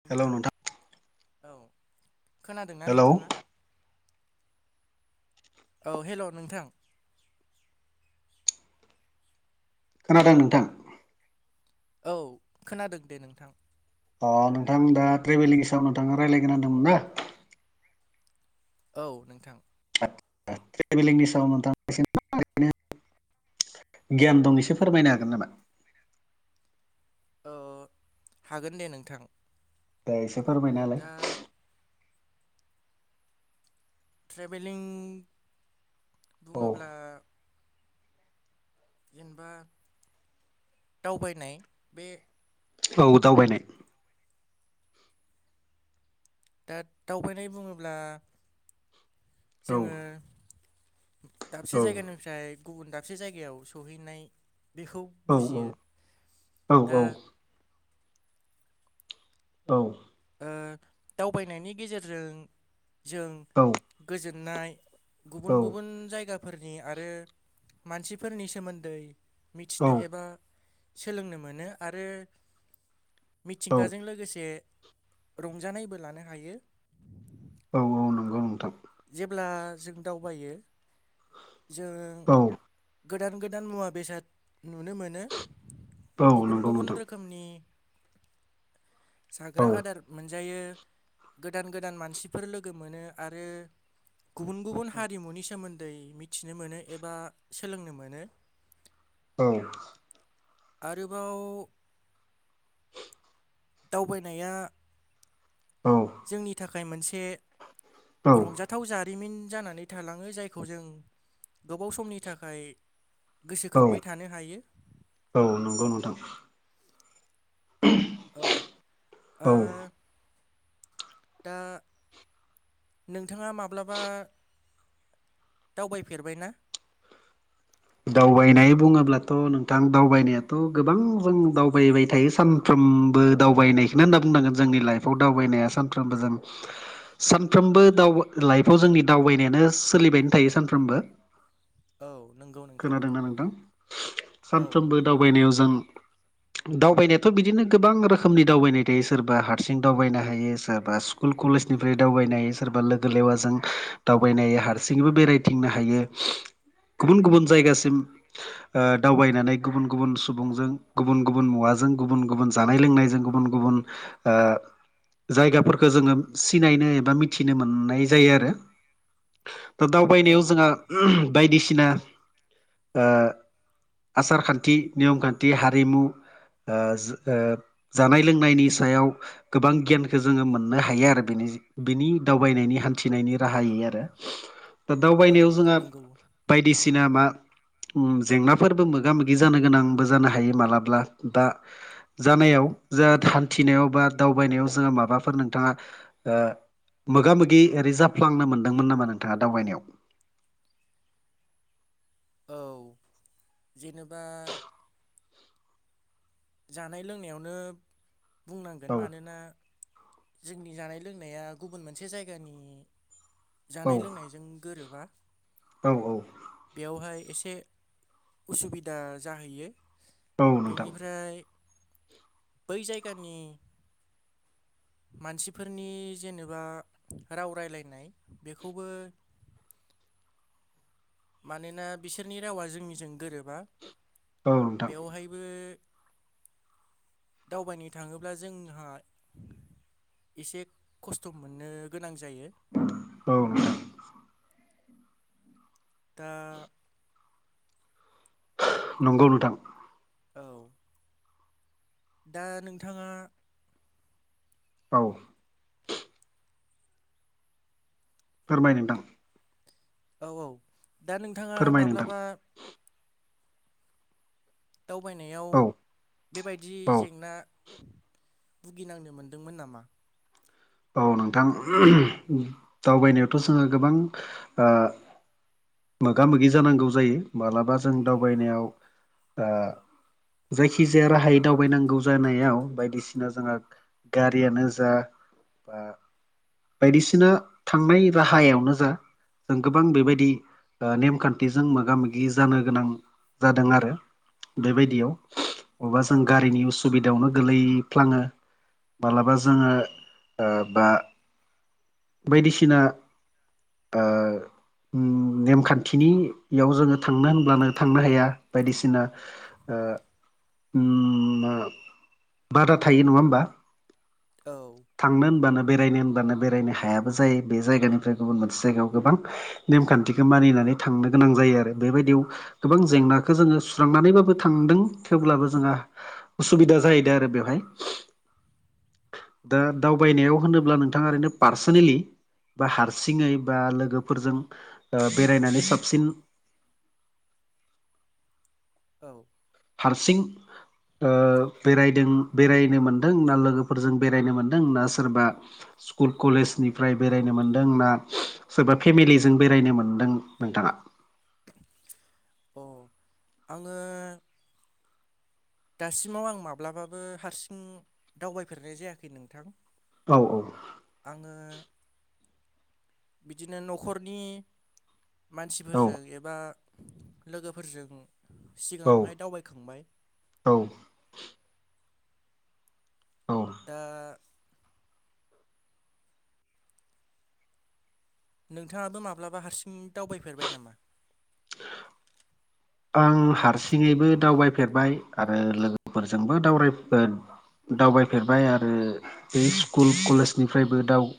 नोंथां औ खोनादोंना हेलौ नोंथाङा औ हेल' नोंथां खोनादों नोंथां औ खोनादों दे नोंथां अ नोंथां दा ट्रेभेलिंनि सायाव नोंथाङा रायज्लायगोन होनदोंमोनब्ला औ नोंथां ना ट्रेभेलिंनि सायाव नोंथां [unintelligible] गियान दं एसे फोरमायनो हागोन नामा अ हागोन दे नोंथां दे एसे फोरमायना होलाय दा ट्रेभेलिं औ बुङोब्ला जेनेबा दावबायनाय बे औ दावबायनाय दा दावबायनाय बुङोब्ला औ जोङो दाबसे औ जायगानिफ्राय गुबुन दाबसे जायगायाव सहैनाय बेखौ औ बुजियो औ दा औ दावबायनायनि गेजेरजों जों औ गोजोननाय औ गुबुन गुबुन जायगा फोरनि आरो मानसिफोरनि सोमोन्दै मिथिनो एबा सोलोंनो मोनो आरो मिथिंगाजों लोगोसे रंजानायबो लानो हायो। औ औ नंगौ नोंथां जेब्ला जों दावबायो जों औ गोदान गोदान मुवा बेसाद नुनो मोनो औ गुबुन नंगौ गुबुन नोंथां रोखोम रोखोमनि औ जाग्रा आदार मोनजायो गोदान गोदान मानसिफोर लोगो मोनो आरो गुबुन गुबुन हारिमुनि सोमोन्दै मिथिनो मोनो एबा सोलोंनो मोनो औ आरोबाव दावबायनाया औ जोंनि थाखाय मोनसे रंजा थाव जारिमिन जानानै थालाङो जायखौ जों गोबाव समनि थाखाय औ गोसोखांबाय थानो हायो औ नंगौ नोंथां औ औ दा नोंथाङा माब्लाबा दावबायफेरबाय ना? दावबायनाय बुङोब्लाथ' नोंथां दावबायनायाथ' गोबां जों दावबायबाय थायो सान सानफ्रोमबो दावबायनायखौनो होनना बुंनांगोन जोंनि लाइफआव दावबायनाया सानफ्रोमबो जों सानफ्रोमबो दाव लाइफआव जोंनि दावबायनायानो सोलिबायनो थायो सानफ्रोमबो औ नंगौ नोंथां खोनादोंना नोंदों नोंथां औ सानफ्रोमबो दावबायनायाव जों दावबायनायाथ' बिदिनो गोबां रोखोमनि दावबायनाय थायो सोरबा हारसिं दावबायनो हायो सोरबा स्कुल कलेजनिफ्राय दावबायनाय सोरबा लोगो लेवाजों दावबायनाय हारसिङैबो बेरायथिंनो हायो। गुबुन गुबुन जायगासिम ओ दावबायनानै गुबुन गुबुन सुबुंजों गुबुन गुबुन मुवाजों गुबुन गुबुन जानाय लोंनायजों गुबुन गुबुन गुबुन ओ जायगाफोरखौ जोङो सिनायनो एबा मिथिनो मोननाय जायो आरो दा औ दावबायनायाव जोंहा बायदिसिना आसार खान्थि नियम खान्थि हारिमु ओ ओ जानाय लोंनायनि सायाव गोबां गियानखौ जोङो मोननो हायो आरो बेनि बिनि दावबायनायनि हान्थिनायनि राहायै आरो दा औ दावबायनायाव जोंहा नंगौ बायदिसिना मा उम जेंनाफोरबो मोगा मोगि जानो गोनांबो जानो हायो मालाब्ला दा जानायाव जा हान्थिनायाव बा दावबायनायाव जोङो माबाफोर नोंथाङा ओ मोगा मोगि ओरै जाफ्लांनो मोनदोंमोन नामा नोंथाङा दावबायनायाव औ जेनेबा जानाय लोंनायावनो बुंनांगोन औ मानोना जोंनि जानाय लोंनाया गुबुन मोनसे जायगानि जानाय लोंनायजों गोरोबा औ-औ। बेयावहाय एसे उसुबिदा जाहैयो। औ नोंथां बेनिफ्राय बै जायगानि मानसिफोरनि जेनेबा राव रायलायनाय बेखौबो मानोना बिसोरनि रावा जोंनिजों गोरोबा। औ नोंथां बेवहायबो दावबायनो थाङोब्ला जोंहा एसे खस्थ' मोननो गोनां जायो। औ [inaudible] दा। नंगौ नोंथां। औ। दा नोंथाङा औ फोरमाय नोंथां। औ-औ दा नोंथाङा फोरमाय नोंथां माब्लाबा दावबायनायाव औ बेबायदि औ जेंना भुगिनांनो मोन्दोंमोन नामा? औ नोंथां [unintelligible] दावबायनायावथ' जोङो गोबां ओ मोगा मोगि जानांगौ जायो मालाबा जों दावबायनायाव ओ जायखिजाया राहायै दावबायनांगौ जानायाव बायदिसिना जोंहा गारियानो जा बा-बायदिसिना थांनाय राहायावनो जा जों गोबां बेबायदि ओ नेमखान्थिजों मोगा मोगि जानो गोनां जादों आरो बेबायदियाव [inaudible] अबेबा औ जों औ गारिनि उसुबिदायावनो गोलैफ्लाङो मालाबा जोङो ओ बा बायदिसिना ओ उम नेमखान्थिनि याव जोङो थांनो होनब्लानो थांनो हाया बायदिसिना। ओ उम बादा थायो नङा होमबा। औ। थांनो होनबानो बेरायनो होनबानो बेरायनो हायाबो जायो बे जायगानिफ्राय गुबुन मोनसे जायगायाव गोबां नेमखान्थिखो मानिनानै थांनो गोनां जायो आरो बेबायदियाव गोबां जेंनाखो जोङो सुस्रांनानैबाबो थांदों थेवब्लाबो जोंहा उसुबिदा जाहैदो आरो बेवहाय। दा दावबायनायाव होनोब्ला नोंथाङा ओरैनो पार्सनेलि बा हारसिङै बा लोगोफोरजों ओ बेरायनानै साबसिन औ हारसिं ओ बेरायदों बेरायनो मोनदों ना लोगोफोरजों बेरायनो मोन दों ना सोरबा स्क कुल कलेजनिफ्राय बेरायनो मोनदों ना सोरबा फेमिलिजों बेरायनो मोनदों नोंथाङा? अ आङो दासिमाव आं माब्लाबाबो हारसिं दावबायफेरनाय जायाखै नोंथां। औ-औ। आङो बिदिनो न'खरनि औ मानसिफोरजों एबा लोगोफोरजों सिगाङावहाय दावबायखांबाय। औ। औ। दा नोंथाङाबो माब्लाबा हारसिं दावबायफेरबाय नामा? [inaudible] आं हारसिङैबो दावबायफेरबाय आरो लोगोफोरजोंबो दाव दावबायफेरबाय आरो बे स्कुल कलेजनिफ्रायबो दाउ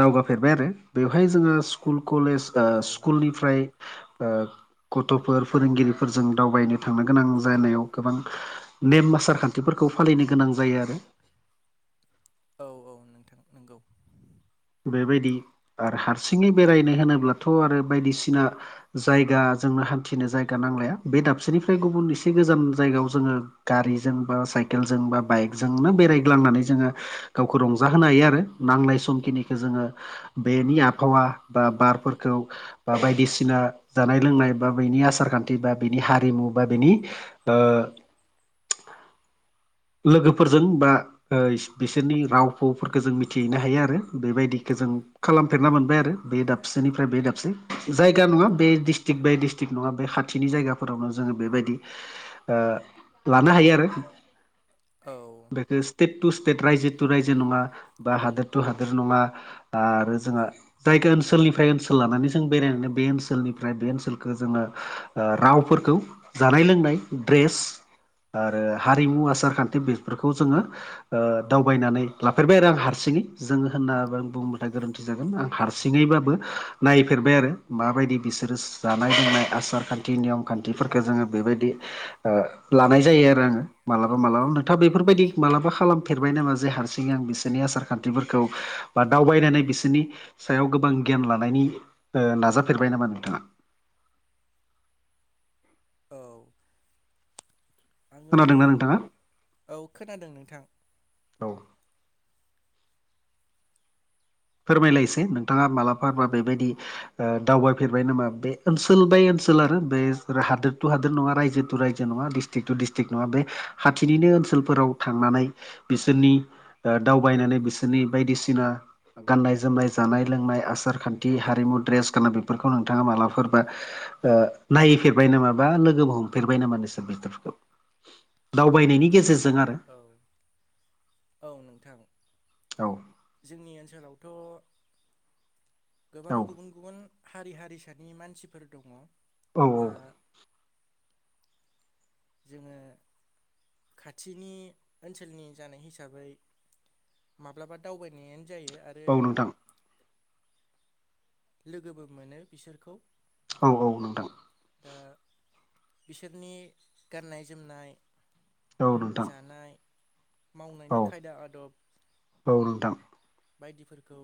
दावगाफेरबाय आरो बेवहाय जोङहा स्कुल कलेज औ स्कुलनिफ्राय गथ'फोर फोरोंगिरिफोरजों दावबायनो थांनो गोनां जानायाव गोबां नेम आसार खान्थिफोरखौ फालिनो गोनां जायो आरो औ औ नोंथां नोंगौ बेबायदि आरो हारसिङै बेरायनो होनोब्लाथ' आरो बायदिसिना जायगा जोंनो हान्थिनो जायगा नांलाया बे दाबसेनिफ्राय गुबुन एसे गोजान जायगायाव जोङो। गारिजों बा साइकेलजों बा बाइकजोंनो बेरायग्लांनानै जोङो। गावखौ रंजा होनो हायो आरो नांलाय समखिनि बेखौ जोङो बेनि आबहावा बा बारफोरखौ बा बायदिसिना जानाय लोंनाय बा बेनि आसार खान्थि बा बेनि हारिमु बा बेनि ओ लोगोफोरजों बा बिसोरनि राव फावफोरखौ जों मिथिहैनो हायो आरो बेबायदिखौ जों खालामफेरना मोनबाय आरो बे दाबसेनिफ्राय बे दाबसे जायगा नङा बे डिस्ट्रिक्ट बाय स्ट्रिक नङा बे खाथिनि जायगाफोरावनो जोङो बेबायदि लानो हायो आरो। औ बे स्टेट टु स्टेट रायजो टु रायजो नङा बा हादोर टु हादोर नङा आरो जोंहा जायगा ओनसोलनिफ्राय ओनसोल लानानै जों बेरायनानै बे ओनसोलनिफ्राय बे ओनसोलखौ जोङो रावफोरखौ जानाय लोंनाय द्रेस आरो हारिमु आसार खान्थि बेफोरखौ जोङो दावबायनानै लाफेरबाय आरो आं हारसिङै जोङो होनना बुंङोबाथाय गोरोन्थि जागोन हारसिङैबाबो नायफेरबाय आरो माबायदि बिसोरो जानाय लोंनाय आसार खान्थि नियम खान्थिफोरखौ जोङो बेबायदि लानाय जायो आरो आङो मालाबा मालाबा नोंथाङा बेफोरबायदि मालाबा खालामफेरबाय नामा जे हारसिङै आं बिसोरनि आसार खान्थिफोरखौ बा दावबायनानै बिसोरनि सायाव गोबां गियान लानायनि नाजाफेरबाय नामा नोंथाङा? औ आङो खोनादोंना नोंथाङा औ खोनादों नोंथां औ फोरमायलायसै नोंथाङा मालाबा बा बेबायदि दावबायफेरबाय नामा बे ओनसोल बाय ओनसोल आरो बे हादोर टु हादोर नङा रायजो टु रायजो नङा डिस्ट्रिक् टु डस्ट्रिक नङा बे खााथिनिनो ओनसोलफोराव थांनानै बिसोरनि दावबायनानै बिसोरनि बायदिसिना गाननाय जोमनाय जानाय लोंनाय आसार खान्थि हारिमु ड्रेस गानना बेफोरखौ नोंथाङा मालाफोरबा नायफेरबाय नामा बा लोगो हमफेरबाय नामा नोंसोर बिफोरखौ? दावबायनायनि गेजेरजों औ औ नोंथां। औ जोंनि ओनसोलावथ' गोबां औ गुबुन गुबुन हारि हारिसानि मानसिफोर दङ औ दा जोङो खाथिनि ओनसोलनि जानाय हिसाबै माब्लाबा दावबायनायानो जायो आरो औ नोंथां आरो लोगोबो मोनो बिसोरखौ औ औ नोंथां दा बिसोरनि गाननाय जोमनाय औ नोंथां जानाय मावनायनि औ खायदा आदब औ नोंथां बायदिफोरखौ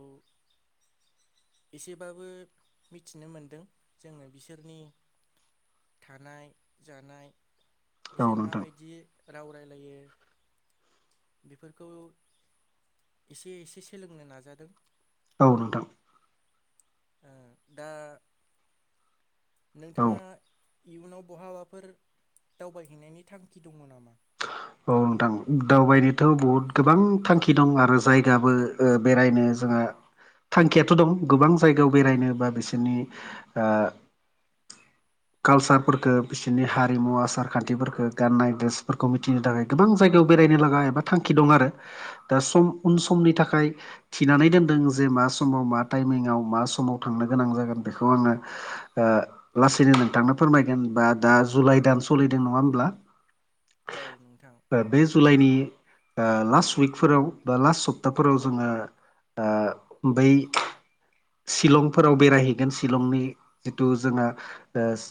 एसेबाबो मिथिनो मोनदों जोङो बिसोरनि थानाय जानाय औ बिसोर नोंथां माबायदि राव रायलायो बेफोरखौ एसे एसे सोलोंनो नाजादों औ नोंथां ओ दा औ नोंथाङा इयुनाव बहाबाफोर दावबायहैनायनि थांखि दङ नामा? [unintelligible] औ नोंथां दावबायनोथ' बहुद गोबां थांखि दं आरो जायगाबो ओ बेरायनो जोंहा थांखियाथ' दं गोबां जायगायाव बेरायनो बा बिसोरनि ओ कालचारफोखौ बिसोरनि हारिमु आसार खान्थिफोरखौ गाननाय ड्रेस फोरखौ मिथिनो थाखाय गोबां जायगायाव बेरायनो लागा एबा थांखि दं आरो दा सम उन समनि थाखाय थिनानै दोनदों जे मा समाव मा टाइमिंआव मा समाव थांनो गोनां जागोन बेखौ आङो ओ लासैनो नोंथांनो फोरमायगोना बा दा जुलाइ दान सोलिदों नङा होमब्ला औ नोंथां बे जुलाइनि ओ लास्ट उइकफोराव बा लास्ट सप्ताफोराव जोङो ओ बै शिलंफोराव बेरायहैगोन शिलंनि जिथु जोंना एस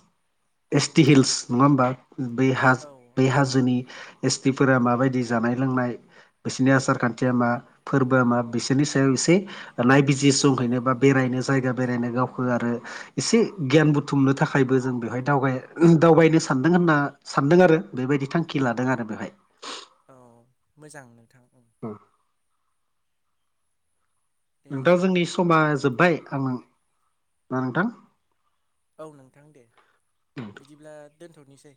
एस टि हिल्स नङा होमबा हा औ औ बै हाजोनि एस टिफोरा माबायदि जानाय लोंनाय बिसोरनि आसार खान्थिया मा फोरबोआ मा बिसोरनि सायाव एसे नायबिजि सुंखायनो बा बेरायनो जायगा बेरायनो गावखौ आरो एसे गियान बुथुमनो थाखायबो जों बेहाय दाव दावबायनो सान सानदों होनना सानदों आरो बेबायदि थांखि लादों आरो बेवहाय औ मोजां नोंथां औ ओम दे नोंथां जोंनि समा जोब्बाय आं ना नोंथां औ नोंथां दे बिदिब्ला दोनथ'नोसै